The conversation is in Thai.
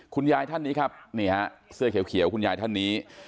คุณยายท่านนี้ครับนี่ฮะเสื้อเขียวคุณยายท่านนี้